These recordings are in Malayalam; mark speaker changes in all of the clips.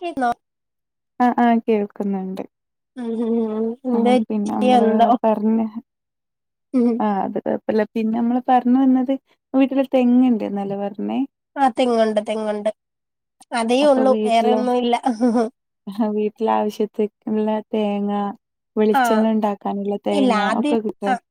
Speaker 1: കേക്ക്ന്നൊ
Speaker 2: ആ ആ കേൾക്ക്ന്നുണ്ട്
Speaker 1: ഉം ഉം
Speaker 2: ആ
Speaker 1: എന്ത്
Speaker 2: പിന്നെ
Speaker 1: പറ്റി
Speaker 2: നമ്മള്
Speaker 1: എന്തോ
Speaker 2: പർഞ്ഞെ
Speaker 1: ഉം
Speaker 2: ആ അത് കോഴപ്പല്ല. പിന്നെ നമ്മള് പർഞ് വന്നത് വീട്ടില് തെങ്ങണ്ട്ന്നല്ലേ പർഞ്ഞേ
Speaker 1: ആ തെങ്ങുണ്ട് തെങ്ങുണ്ട് അതേ ഒള്ളൂ വേറെ ഒന്നു ഇല്ല
Speaker 2: വീട്ടില് ആവശ്യത്ത്ക്ക്ള്ള തേങ്ങ
Speaker 1: ആഹ്
Speaker 2: വെളിച്ചെണ്ണ ഉണ്ടാക്കാനുള്ള
Speaker 1: ഇല്ല
Speaker 2: തേങ്ങ
Speaker 1: അതി
Speaker 2: ഒക്ക കിട്ടൊ
Speaker 1: ആഹ്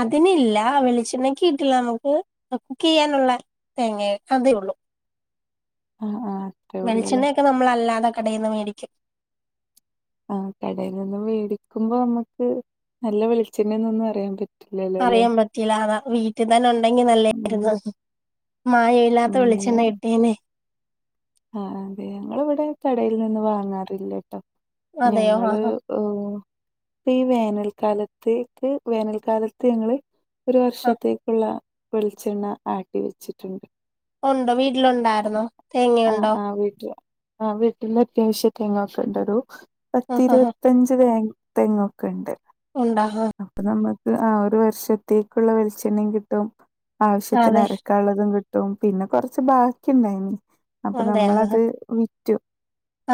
Speaker 1: അതിനില്ല വെളിച്ചെണ്ണക്ക് കിട്ടില്ല നമുക്ക് കുക്ക് ചെയ്യാനുള്ള തെങ്ങെ അതെ ഒള്ളു
Speaker 2: ആ ആ
Speaker 1: വെളിച്ചെണ്ണയൊക്ക നമ്മള് അല്ലാതെ കടെന്ന് മേടിക്കും.
Speaker 2: ആ കടയിൽ നിന്നും വെടിക്കുമ്പോ നമ്മക്ക് നല്ല വെളിച്ചെണ്ണേന്നൊന്നും അറിയാം പ
Speaker 1: അറിയാം പറ്റീല്ല അതാ വീട്ടിന്നന്നെ ഉണ്ടെങ്കി
Speaker 2: ഉം
Speaker 1: നല്ലേയിരുന്നു. മായേ ഇല്ലാത്ത വെളിച്ചെണ്ണ കിട്ടീന്
Speaker 2: ആ അതെ ഞങ്ങള് വടെ കടയിൽ നിന്ന് വാങ്ങാറില്ലട്ടോ
Speaker 1: അതെയോ
Speaker 2: ഞങ്ങള്.
Speaker 1: ആഹ്
Speaker 2: ഓ ഇപ്പ ഈ വേനൽക്കാലത്തേക്ക് വേനൽകാലത്ത് ഞങ്ങള്. ഒരു
Speaker 1: ആഹ്
Speaker 2: വർഷത്തേക്കുള്ള വെളിച്ചെണ്ണ ആട്ടി വെച്ചിട്ടുണ്ട്.
Speaker 1: ഉണ്ടോ വീട്ടിലുണ്ടായിര്ന്നോ തേങ്ങയുണ്ടോ
Speaker 2: [unintelligible] ആ വീട്ടിൽ അത്യാവശ്യം തെങ്ങ് ഒക്കെണ്ടരും.
Speaker 1: ആഹ് ആഹ്
Speaker 2: പത്തിരുപത്തയഞ്ച് ത തെങ്ങ്ഒക്കൊണ്ട്.
Speaker 1: ഉണ്ടോ ആഹ്
Speaker 2: അപ്പൊ നമ്മുക്ക് ആ ഒരു വർഷത്തേക്കുള്ള വെളിച്ചെണ്ണയും കിട്ടും. ആവശ്യത്തിന്
Speaker 1: അതെ
Speaker 2: അരക്കുള്ളതും കിട്ടും പിന്നെ കൊറച്ച് ബാക്കിണ്ടായിനി. അപ്പൊ
Speaker 1: അതെ ആഹ്
Speaker 2: നമ്മളത് വിറ്റു.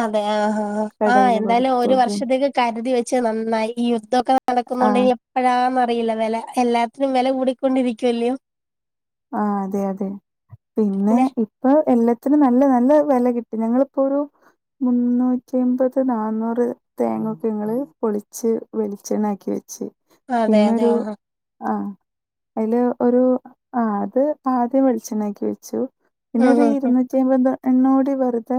Speaker 1: അതെ ആഹ് ആഹ്
Speaker 2: കടേല്
Speaker 1: എന്തായാലും
Speaker 2: കൊടുത്തു
Speaker 1: ഒരു വർഷത്തേക്ക് കരുതി വെച്ച് നന്നായി ഈ യുദ്ധമൊക്കെ നടക്കുന്നുണ്ട്. ഇ
Speaker 2: ആഹ്
Speaker 1: അഴാന്ന അറിയില്ല വില എല്ലാത്തിനും വില കൂടിക്കൊണ്ടിരിക്കുവല്ലയോ
Speaker 2: ആഹ് അതെ അതെ പിന്നെ ഇപ്പൊ എല്ലാത്തിനും നല്ല നല്ല വില കിട്ടി ഞങ്ങളിപ്പോ ഒരു. മുന്നൂറ്റി അപത് നാന്നൂറ് തേങ്ങൊക്കെ നിങ്ങൾ പൊളിച്ച് വെളിച്ചെണ്ണക്കി വെച്ച്.
Speaker 1: അതെ അതെ
Speaker 2: പിന്നരു
Speaker 1: ആഹ്
Speaker 2: ആഹ് അയുല് ഒരു. ആഹ് അത് ആദ്യം വെളിച്ചെനാക്കി വെച്ചു. പിന്നെ
Speaker 1: ഉം
Speaker 2: ഒരു
Speaker 1: ഉം ഉം
Speaker 2: ഇരുന്ന് [unintelligible] നോടി വരുതൊ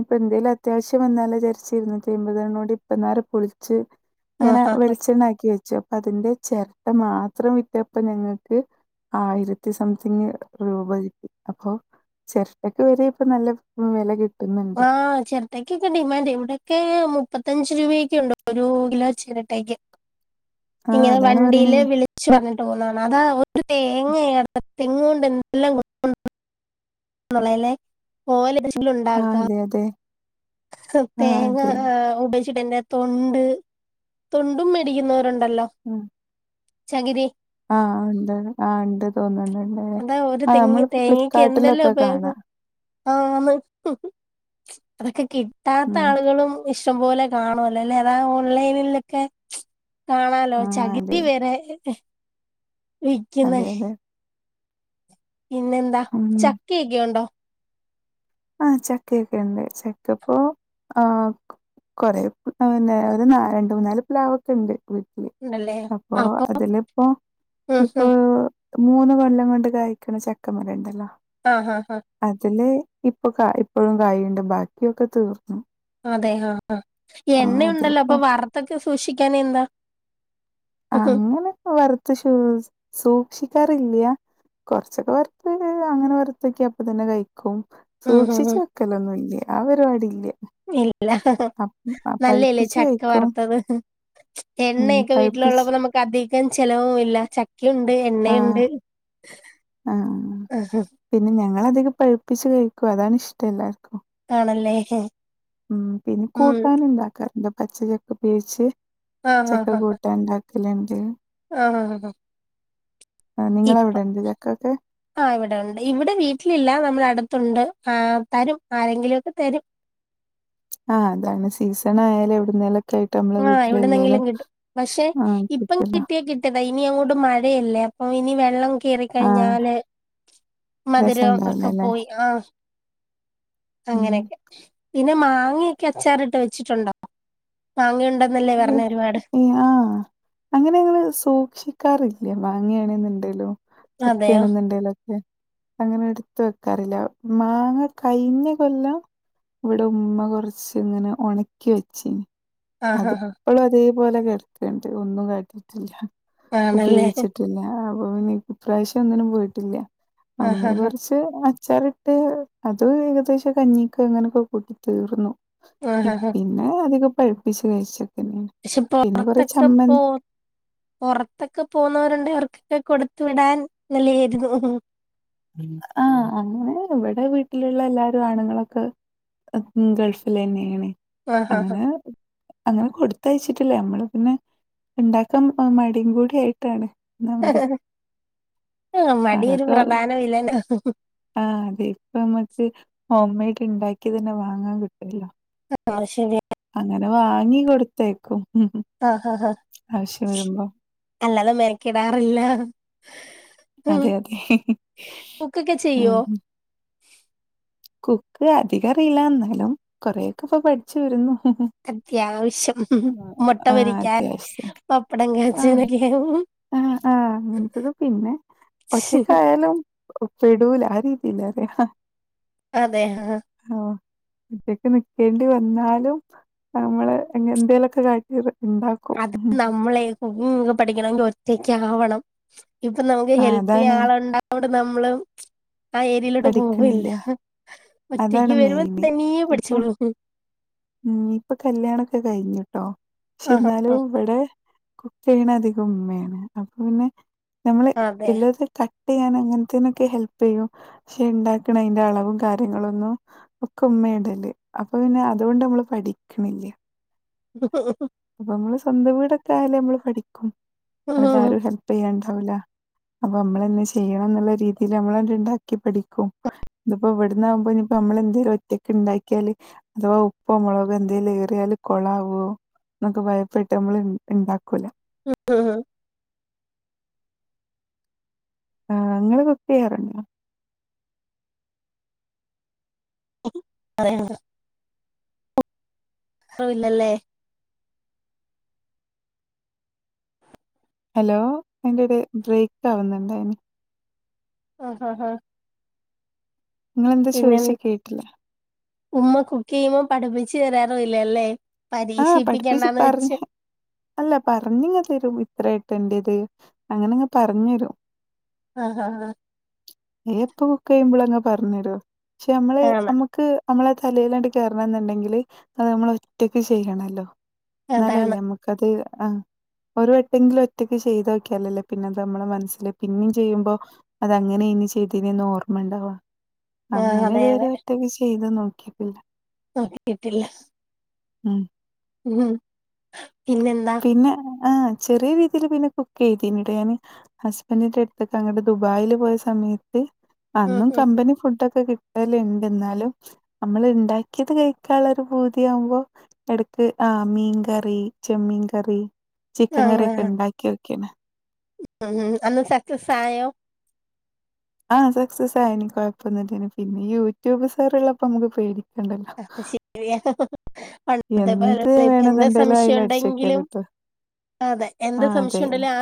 Speaker 2: ഇപ്പൊ എന്തേലും അത്യാവശ്യം വന്നാല ചരിച്ച് ഇരുന്നു റ്റി ആയിപത്എണ്ണം ഇപ്പ നേരം പളിച്ച്.
Speaker 1: ആഹ്
Speaker 2: അങ്ങനെ
Speaker 1: ഹാ ഹാ
Speaker 2: വെളിച്ചെണ്ണക്കി വെച്ചു അപ്പൊ അതിന്റെ ചിരട്ട മാത്രം വിററപ്പം ഞങ്ങൾക്ക്. ആയിരത്തി സംതിങ് രൂപ കിടി. അപ്പൊ ചിരട്ടക്ക് വരെ ഇപ്പൊ നല്ല വല കിട്ടി.
Speaker 1: അഹ് [unintelligible] ചിട്ടയ്ക്കൊക്കെ ഡിമാൻഡ് ഇവിടെയൊക്കെ മുപ്പത്തഞ്ച് രൂപക്കുണ്ട് ഒരു കിലോ ചീരട്ടയ്ക്ക്.
Speaker 2: ആഹ്
Speaker 1: ഇങ്ങനെ
Speaker 2: അതാണ് പറയണേ
Speaker 1: വണ്ടിയില് [unintelligible] പറഞ്ഞിട്ട് പോന്നതാണ് അതാ ഒരു തങ്ങ തെങ്ങ കൊണ്ട് എന്ത് എല്ലാം. ഗുണങൾ [unintelligible] ഓല്ലേ പോലെ ഉണ്ടാക്കാം
Speaker 2: അത അതെ ആഹ്
Speaker 1: തേങ്ങ
Speaker 2: അതെ
Speaker 1: ഉപയോഗിച്ചിട്ട് എന്റെ തൊണ്ട് തൊണ്ടും മേടിക്കുന്നവരുണ്ടല്ലോ.
Speaker 2: ഉം
Speaker 1: ചങ്ക്രിരി.
Speaker 2: ആഹ് ഉണ്ട് ആഹ് ഉണ്ട് തോന്നണ്ടണ്ട്.
Speaker 1: അതാ ഒരു തെങ്ങ തേങ്ങക്ക് എന്തെല്ലാം ഉപയോഗം.
Speaker 2: കാണാം
Speaker 1: ആന് അതൊക്കെ കിട്ടാത്ത
Speaker 2: ഉം
Speaker 1: ആളുകളും. ഇഷ്ടം പോലെ കാണുവല്ലോ അല്ലെ അതാ ഓൺലൈനിലൊക്കെ. കാണാലോ
Speaker 2: ആഹ് അതെ
Speaker 1: ചകിരി വരെ വിക്ക്ന്നോ
Speaker 2: അതെ അതെ
Speaker 1: പിന്നെന്താ
Speaker 2: ഉം
Speaker 1: ചക്കയൊക്കെ ഉണ്ടോ?
Speaker 2: ആഹ് ചെക്കൊക്കെ ഉണ്ട് ചക്കപ്പോ അഹ് കുറെ പിന്നെ രണ്ട് മൂന്നാല് പ്ലാവ്. ഇണ്ട് വീട്ടില് അപ്പൊ അതിലിപ്പോ
Speaker 1: ഉം
Speaker 2: ഇപ്പൊ
Speaker 1: ഉം
Speaker 2: മൂന്ന് കൊല്ലം കൊണ്ട്. കഴ്ക്കണ ചെക്ക മരം ഉണ്ടല്ലോ.
Speaker 1: ആഹ് ഹ ഹ
Speaker 2: അതില് ഇപ്പൊ കാ ഇപ്പോഴും കായുണ്ട് ബാക്കിയൊക്കെ തീർന്നു.
Speaker 1: അതെ ആഹ് ആഹ്
Speaker 2: ആഹ്
Speaker 1: എണ്ണ ഉണ്ടല്ലോ
Speaker 2: അതിലിപ്പോ
Speaker 1: അപ്പൊ വറുത്തൊക്കെ സൂക്ഷിക്കൻ എന്താ. ഉം
Speaker 2: അങ്ങനെ വറുത്ത ഷൂ സൂക്ഷിക്കാറില്ലയ കൊറച്ചൊക്കെ വറത്ത് അങ്ങനെ വറുത്തൊക്കെ അപ്പ തന്നെ കഴിക്കും
Speaker 1: ഉം
Speaker 2: സൂക്ഷിച്ചു
Speaker 1: ഉം.
Speaker 2: വെക്കലൊന്നുമല്ലേ ആ ഒരുപാടില്ല
Speaker 1: ഇല്ല നല്ലല്ലേ ചക്ക
Speaker 2: കഴിക്കും
Speaker 1: വറുത്തത്
Speaker 2: ഉം
Speaker 1: എണ്ണയൊക്കെ
Speaker 2: പഴുപ്പിച്ച്
Speaker 1: വീട്ടിലുള്ളപ്പോ നമുക്ക് അധികം ചെലവുല്ല ചക്കെണ്ട് എണ്ണണ്ട്
Speaker 2: ആ പിന്നെ ഞങ്ങള് അധികം പഴിപ്പിച്ച് കഴിക്കും അതാണ് ഇഷ്ടം എല്ലാർക്കും
Speaker 1: ആണല്ലേ
Speaker 2: ഉം പിന്നെ
Speaker 1: ഉം
Speaker 2: കൂട്ടാന് ഇണ്ടാക്കാറുണ്ട് പച്ച ചക്ക ഉപയൊഗാച്ച് പച്ചചക്ക കൂട്ടാൻ ഇണ്ടാക്ക ക്കല്ണ്ട്
Speaker 1: ആഹ് ആഹ് ആഹ് ആഹ്
Speaker 2: നിങ്ങളവിടെണ്ടോ ഇതൊക്കൊക്കെ
Speaker 1: ആ ഇവിടെ ഉണ്ട് ഇവിടെ വീട്ടിലില്ല നമ്മള അടുത്തുണ്ട് ആ തരും ആരെങ്കിലൊക്കെ തരും
Speaker 2: ആഹ് അതാണ് സീസൺ ആയാലും എവിടുന്നേലും
Speaker 1: ആഹ് എവിടുന്നെങ്കിലും കിട്ടും പക്ഷെ
Speaker 2: ആ
Speaker 1: ഇപ്പം
Speaker 2: കിട്ടല്ലോ.
Speaker 1: കിട്ടിയാ കിട്ട ഇനി അങ്ങോട്ട് മഴയല്ലേ അപ്പൊ ഇനി വെള്ളം കേറ
Speaker 2: ആ
Speaker 1: കഴിഞ്ഞാല് മധുരം ഒക്കെ
Speaker 2: രസണ്ടാവൂലല്ലേ?
Speaker 1: പോയി ആഹ്
Speaker 2: ഉം.
Speaker 1: അങ്ങനെയൊക്കെ പിന്നെ മാങ്ങയൊക്കെ അച്ചാറിട്ട് വെച്ചിട്ടുണ്ട് മാങ്ങയു
Speaker 2: ഏഹ് ഏഹ് ആഹ് അങ്ങനെ അങ്ങള് സൂക്ഷിക്കാറില്ല മാങ്ങയാണെന്നുണ്ടേലും
Speaker 1: അതെയോ
Speaker 2: ചക്കയാണെന്നുണ്ടേലും ഒക്കെ അങ്ങനെ എടുത്ത് വെക്കാറില്ല മാങ്ങ കയിഞ്ഞ കൊല്ലം ഇവിടെ ഉമ്മ കൊറച്ച് ഇങ്ങനെ ഉണക്കി വെച്ചി
Speaker 1: ആഹ് ആഹ്
Speaker 2: അതിപ്പളും അതേപോലെ കിടക്കണ്ട് ഒന്നും കാട്ടിട്ടില്ല
Speaker 1: ആഹ് ആണല്ലേ
Speaker 2: ഉപയോഗിച്ചിട്ടില്ല അപ്പൊ പിന്ന ഇപ്രാവശ്യം ഒന്നിനും പോയിട്ടില്ല
Speaker 1: ആഹ്
Speaker 2: നമ്മള്
Speaker 1: ആഹ്
Speaker 2: കൊറച്ച് അച്ചാറിട്ട് അത് ഏകദേശം കഞ്ഞിക്കെ അങ്ങനൊക്കെ കൂട്ടി തീർന്നു
Speaker 1: ആഹ് ആഹ് ആഹ്
Speaker 2: പിന്നെ അതൊക്കെ പഴുപ്പിച്ച് കഴിച്ചക്കന്നെയാണ്
Speaker 1: പക്ഷെ പുറത്തൊക്കെ പോ പുറത്തൊക്കെ പോന്നവരുണ്ടേ അവർക്കൊക്കെ കൊടുത്ത് വിടാൻ നല്ലയാരുന്നു
Speaker 2: ആഹ് അങ്ങനെ ഇവിടെ വീട്ടിലുള്ള എല്ലാരും ആണുങ്ങളൊക്കെ ഗൾഫിലന്നെയാണ്
Speaker 1: ആഹ് ആഹ്
Speaker 2: അങ്ങനെ അങ്ങനെ കൊടുത്തയച്ചിട്ടില്ലേ നമ്മള് പിന്നെ ഇണ്ടാക്കാൻ മടിം കൂടി ആയിട്ടാണ് ഒന്നാമത്
Speaker 1: ആ മടിയൊരു
Speaker 2: അതൊക്കെ
Speaker 1: പ്രധാന വില്ലനാ
Speaker 2: ആഹ് അതെ ഇപ്പ നമ്മുക്ക് ഹോം മെയ്ഡ് ഇണ്ടാക്കി തന്നെ വാങ്ങാൻ കിട്ടുല്ലോ
Speaker 1: ആഹ് എന്നാ ശരി
Speaker 2: അങ്ങനെ വാങ്ങി കൊടുത്തയക്കും
Speaker 1: ആഹ് ആഹ് ആഹ്
Speaker 2: ആവശ്യം വരുമ്പോ
Speaker 1: അല്ലാതെ മെനക്കെടാറില്ല
Speaker 2: അതെ അതെ
Speaker 1: കുക്കൊക്കെ ചെയ്യോ
Speaker 2: ആഹ് കുക്ക് അധികം അറിയില്ല എന്നാലും കൊറെയൊക്കെ ഇപ്പ പഠിച്ചു വരുന്നു
Speaker 1: അത്യാവശ്യം മുട്ട
Speaker 2: ആ
Speaker 1: പൊരിക്കാൻ
Speaker 2: അത്യാവശ്യം
Speaker 1: പപ്പടം കാച്ചനൊക്കെയ
Speaker 2: ആഹ് ആഹ് അങ്ങനത്തത് പിന്നെ ഒറ്റക്കായാലും പെടൂല ആ രീതീലാ
Speaker 1: അതെ ആഹ്
Speaker 2: ആഹ് ഒറ്റക്ക് നിക്കേണ്ടി വന്നാലും നമ്മള് അങ്ങ് എന്തേലൊക്കെ കാട്ടിത് ഇണ്ടാക്കും
Speaker 1: അത് നമ്മളെ കുക്കിംഗ് ഒക്കെ പഠിക്കണെങ്കി ഒറ്റക്കാവണം ഇപ്പൊ നമുക്ക്
Speaker 2: ആ
Speaker 1: ഹെൽപ് ചെയ്യാൻ
Speaker 2: അതാണ്
Speaker 1: ആളുണ്ടായൊണ്ട് നമ്മള് ആ ഏരിയിലോട്ട് പോവീല്ല
Speaker 2: പഠിക്കണില്ല
Speaker 1: ഒറ്റക്ക്
Speaker 2: അതാണ്
Speaker 1: വരുമ്പോ
Speaker 2: മെയിന്
Speaker 1: തനിയേ
Speaker 2: ഇപ്പൊ
Speaker 1: പഠിച്ചോളും
Speaker 2: ഉം ഇപ്പൊ കല്യാണൊക്കെ കഴിഞ്ഞുട്ടോ പക്ഷെ
Speaker 1: ആഹ്
Speaker 2: എന്നാലും
Speaker 1: ആഹ്
Speaker 2: ഇവിടെ കുക്കെയ്യണധികംഇമ്മേണ്അപ്പൊ
Speaker 1: അതെ
Speaker 2: പിന്നെനമ്മള്ഇല്ലത്ക ട്ടെയ്യാനങ്ങനത്തേനൊക്കെഹെൽപെയ്യും പക്ഷെഇണ്ടാക്കണെയിന്റെ അളവുംകാര്യങ്ങളൊന്നുംഒക്കെഇമ്മേടല്അപ്പപിന്നെ അതൊകൊണ്ട്നമ്മൾ പഠിക്ക്ണ് ല്ല
Speaker 1: [unintelligible]
Speaker 2: അപ്പമ്മള്സ്വന്തംവീടൊക്കെയാല് നമ്മള്പഠിക്കുംഅവിടാരുംഹെല്പെ യ്യാണ്ടാവൂല. അപ്പനമ്മളെന്നേചെയ്യണന്ന്ള്ള രീതിയില്നമ്മളണ്ട്ണ്ടാക്കിപഠിക്കും. ഇത്പ്പോഇവിടന്ന്ന്നാവുമ്പോയിനിപ്പനമ്മളെന്തേലുംഒറ്റക്കിണ്ടാക്കിയാല് അഥവാഉപ്പോമൊളഗോഎന്തെങ്കിലേറിയാല്കൊളാവോ ന്നൊക്കെഭയപ്പെട്ട്നമ്മള്ണ്ടാക്കൂല
Speaker 1: ആഹ്
Speaker 2: ആഹ് ഇങ്ങള്കുക്കെയ്യാറുണ്ടോ?
Speaker 1: അതെ [unintelligible] ത്രോഇല്ലല്ലേ
Speaker 2: ഹലോഎന്റെടെബ്രേക്കാവുന്നുണ്ടെയ്ന്നു
Speaker 1: ആഹ്ആഹ്ആഹ്
Speaker 2: ഇങ്ങെന്താചോയിചേകേട്ടില
Speaker 1: ഉമ്മകുക്കെയ്യുമ്പോപഠിപ്പിച്ച് തരാറുല്ലല്ലേപരീക്ഷിപ്പിക്കണ്ടാന്ന് വെച്ച്.
Speaker 2: അല്ലപറഞ്ഞിങ്ങതരുംഇത്രേയിട്ടണ്ടത്അങ്ങനെങ്ങ്പറഞ്ഞെരും.
Speaker 1: ആഹ്ഹഹആ
Speaker 2: ഇനിപ്പകുക്കെയഴുമ്പോങ്ങ്പറഞെരും
Speaker 1: ആണ്
Speaker 2: പക്ഷെനമ്മള്നമ്മക്ക് നമ്മളെതലയിലണ്ട്കേയറണന്ന്ണ്ടെങ്കില് അത് നമ്മളൊറ്റക്ക്
Speaker 1: അതാണ്
Speaker 2: ചെയ്യണല്ലോന്നാല്ലല്ലേമ്മ അത്ആഹ് ഒരുവട്ടെങ്കിലുംഒറ്റയ്ക്ക് ചെയ്തൊക്യാലല്ലേപിന്നെത് നമ്മെളെമനസ്സില് പിന്നിംചെയ്യുമ്പോ അതങ്ങനെഇച
Speaker 1: ആഹ്
Speaker 2: തിന്നോർമ്മണ്ടവാഅങ്ങനെ
Speaker 1: അതെ അതെ
Speaker 2: ഇതുവരെഒറ്റക്ക്ചെയ്ത് നോക്കിട്ടില്ല
Speaker 1: നോക്കീട്ടില്ല
Speaker 2: ഇം
Speaker 1: ഉംപിന്നെന്താ
Speaker 2: പിന്നെആ്ഹ്ചെറിയരീതില് പിന്നെ കുക്കെയ്തിന്ന്ട്ടിഞാന് ലെ ഹസ്ബൻറിന്റെടുത്തൊക്കെങ്ങണ്ട്
Speaker 1: ഉം
Speaker 2: ദുബായിപോയസമയത്ത്അന്നും
Speaker 1: ഉം
Speaker 2: കമ്പനിഫുഡോക്കെകി ട്ടല്ണ്ട്ന്നാലുംനമ്മള്ണ്ടാക്കിയത് കഴിക്കാള്ളൊരുഭൂതിയാവുമ്പോ എടക്ക്ആഹ് മീൻകറിചെമ്മീകറി ചിക്കൻകറിഒക്കെണ്ടാക്കിയോക്കിണ്
Speaker 1: ഉംഉംഅന്ന്സക്സസായോ
Speaker 2: ആഹ്സക്സസായനികൊഴപ്പൊന്നുല്ലേന്പിന്നെയൂട്യൂബ്സാറ്ള്ളപ്പോമ്മക്ക്പേടിക്കാണ്ടല്ലോ
Speaker 1: അത്ശെരിയാപണ്ടത്തെപ്പോലല്ലഇപ്പെന്ത്സംശയണ്ടെങ്കിലും
Speaker 2: എന്ത് വേണെന്നുണ്ടേലും അയില് അടിച്ചോക്കിയാ
Speaker 1: അതെഎന്ത്സംശയണ്ടലും
Speaker 2: കിട്ടും ആ അതെ
Speaker 1: അതൊന്ന്ഓണാക്കിനോക്കിയാമതിയല്ലോ.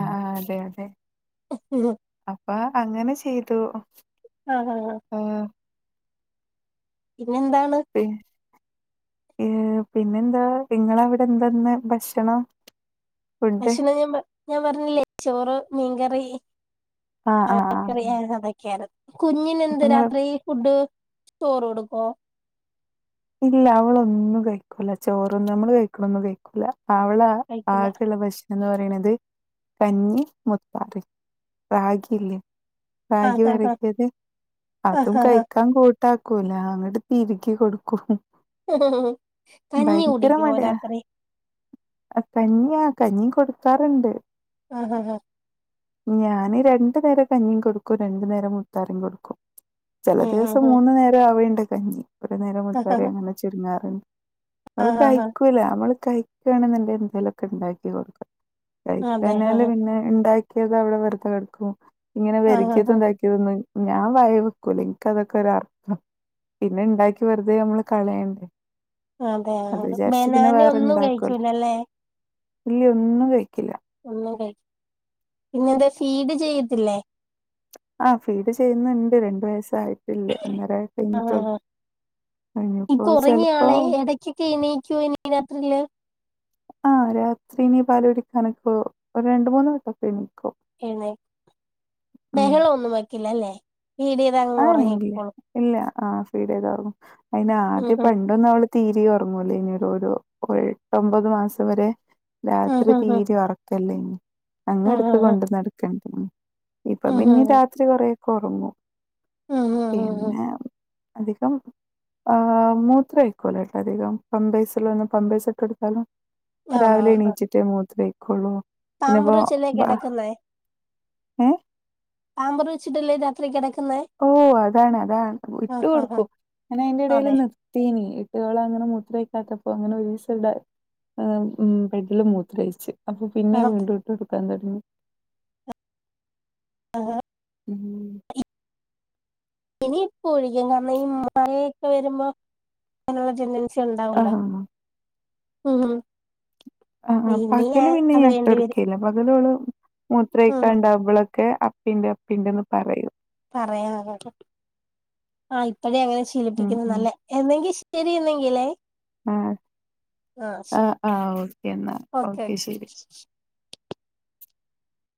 Speaker 2: ആഹ്അതെഅതെഅപ്പഅങ്ങനെ ചെയ്തു.
Speaker 1: ആഹ്ആഹ്
Speaker 2: ആഹ്
Speaker 1: പിന്നെന്താണ്
Speaker 2: പി ഏഹ്പിന്നെന്താഇങ്ങളവിടെന്താ ഇന്ന് ഭക്ഷണം. ഫുഡ്?
Speaker 1: ഭക്ഷണംഞാഞാൻപറഞ്ഞില്ലേ ചോറ്മീൻകറി
Speaker 2: ആഹ് ആഹ് ആഹ് അപ്പൊ ഇങ്ങള്
Speaker 1: ആവക്കറിയഅതൊക്കെയായിരുന്നുകുഞ്ഞിനെന്താരാത്രിഫുഡ് ചോറ് കൊടുപ്പോ
Speaker 2: ഇല്ലഅവളൊന്നുംകഴിക്കൂല ചോറൊന്നുംനമ്മള്കഴിക്കണൊന്നും കഴിക്കൂലഅവള
Speaker 1: കഴിക്കില്ല
Speaker 2: ആവിശ്യള്ളഭഷ് എന്ന് പറിയ്ണത് കഞ്ഞിമുത്താറ് റാഗില്ലേ
Speaker 1: ആ
Speaker 2: റാഗി
Speaker 1: ആ ആ
Speaker 2: വരക്കിയത്
Speaker 1: ആ
Speaker 2: അതും
Speaker 1: ആ ആ
Speaker 2: കഴിക്കാകൂ ട്ടാക്കൂല ങ്ങട്ട് തിരികി കൊടുക്കും മ്.
Speaker 1: ഹ് ഹ് ഹ് മ് കഞ്ഞി കുടിക്യോ
Speaker 2: മടിയാ
Speaker 1: രാത്രി.
Speaker 2: ആ കഞ്ഞിയാ കഞ്ഞ്യും കൊടുക്കാറുണ്ട്.
Speaker 1: ആഹ ഹ
Speaker 2: ഞാന് രണ്ട് നേരം കഞ്യും കൊടുക്കും രണ്ട്നേരം മുത്താറ്യും കൊടുക്കും. ചെല
Speaker 1: ഉം
Speaker 2: ദിവസം
Speaker 1: ഉം ഉം
Speaker 2: മൂന്ന്നേരം ആവേണ്ട് കഞ്ഞി ഒരു നേരം
Speaker 1: ആ
Speaker 2: മുത്താറി അങ്ങനെ ചുരുങ്ങാറ്ണ്ട്.
Speaker 1: ആ ആ
Speaker 2: അത്
Speaker 1: ആ
Speaker 2: കഴിക്കൂല അവള് കഴിക്കാണ്ന്ന്ണ്ടേൽ എന്തേലൊക്കെ ഇണ്ടാക്കി കൊട്ക്കാ.
Speaker 1: ആ അതെ ആ
Speaker 2: കഴിക്കാന്നാല് പിന്നെ ണ്ടാക്കിയത് അവ്ടെ വെറുത കേട്ക്കും ഇങ്ങനെ
Speaker 1: ആ ആ
Speaker 2: വെരകിയതും താ ക്യൂന്നേ ഞാൻ വായേ വെക്കൂല ഇന്ക്കതൊക്കെരർപ്പാ പിന്നെ ഉണ്ടാക്കി വെർ തെ മ്മള് കളയണ്ടേ.
Speaker 1: അ അതെ
Speaker 2: അത്
Speaker 1: അ
Speaker 2: വിചാരിച്ച് പിന്നെ
Speaker 1: ബനാന ഒന്നും കഴിക്കൂലല്ലെ.
Speaker 2: ഇല്യ ഒന്നും കഴിക്കില്ല.
Speaker 1: ഒന്നും കഴി പിന്നെന്തേ ഫീഡ് ചെയ്‌യത്തില്ലേ.
Speaker 2: അ ഫീഡ് ചെയ്യ്ന്ന്ണ്ട് രണ്ട് വയസ്സായിട്ടില്യ ഒന്നേര വയസ് കഴിഞ്ഞിട്ടുള്ളൂ കഴിഞ്ഞപ്പോ ചിലപ്പോ
Speaker 1: ഇപ്പൊറങ്ങിയാളെ ഇടയ്ക്കൊക്കെ എണീക്കോ ഇനി രാത്രീൽ.
Speaker 2: ആ രാത്രിഇനി പാലു കുടിക്കാനൊക്കെ ഒരു രണ്ട് മൂന്ന് വട്ടംക്കണീക്കും.
Speaker 1: എയ്ന്നെ ബഹളന്നും വെക്കില്ലല്ലേ ഫീഡ്യെയ്മ്പം
Speaker 2: ആന്ത്യ ഇല്ല ആ ഫീഡ്ചെയ്താഒറങ്ങും അയിന് ആദ്യ പ [unintelligible] തൊന്നുവൾ തീരേ ഉറങ്ങൂലയ്നി ഒര് ഓരോ കൊയ് ഇട്ടൊമ്പത് മാസം വരെ. രാത്രി
Speaker 1: ആണോ
Speaker 2: തീരിം ഉറക്കലയ്നി അങ്ങെട്ത്ത് കൊണ്ട് നടക്കണ്ടിനി. ഇപ്പ പിന്നി രാത്രി കുറെക്കെ ഒറങ്ങും. പിന്നെ അധികം. ആഹ് മൂത്രംഒഴിക്കൂലട്ട അധികം പമ്പൈസ്ള്ളന്ന് പമ്പൈസ്ട്ടട്ത്താലും. രാവിലെ എണീച്ച്ട്ടെ മൂത്രയ്ക്കൊള്ളൂ. അല്ലെ
Speaker 1: പാമ്പറ്
Speaker 2: പൊ
Speaker 1: വെച്ചല്ലേ
Speaker 2: ബാ
Speaker 1: കിടക്കുന്നേ
Speaker 2: എ
Speaker 1: പാമ്പറ് വെച്ചിട്ടല്ലേ രാത്രി കെടക്ക്ന്നെ.
Speaker 2: ഓ അതാണ് അതാണ് ഇട്ട് കൊട്ക്കും അ ന അയിന്റെടെൽ
Speaker 1: അതെ
Speaker 2: നി ത്തീനി ഇട്ട് ഓളങ്ങനെ മൂത്രയ്ക്കാത്തപ്പം അങ്ങനെ ഒരൂസം ന്താ. ആ ഉം പൈപ്പിൽ മൂത്രയിച്ച് അപ്പൊ പിന്നെ
Speaker 1: ആഹ്.
Speaker 2: വീണ്ടും ഇട്ടോട്ക്കാൻ തൊടങ്ങി.
Speaker 1: ആഹ്
Speaker 2: ഉം
Speaker 1: ഇനിപ്പൊഴിക്കും കാരണം ഈ മയേക്കെ വരുമ്പോ അങ്ങനുള്ള ച്ച ച്ച് ഉണ്ടാവല്ലോ
Speaker 2: ആഹ്
Speaker 1: ഉ മ്
Speaker 2: ആ ആ പകല് പിന്നെ
Speaker 1: വേണ്ടി വരും
Speaker 2: ഞാഇട്ടോട്ക്കെല്യ പകലോൾ
Speaker 1: ഉം
Speaker 2: മൂത്രയിക്കാൻ ണ്ടാവുമ്പളൊക്കെ അ പിന്നെ അപ്പിണ്ട് ന്ന് പറയും.
Speaker 1: പറയണം ആ ഇപ്പഴേയങ്ങനെ
Speaker 2: ഉം
Speaker 1: ശീലിപ്പിക്ക്ന്ന
Speaker 2: ഉം
Speaker 1: നല്ലേ. എന്നെങ്കി ശരിന്നെങ്കിലേ.
Speaker 2: ആ ആ ആ ഓക്കെന്നാ ഓക്കെ ശരി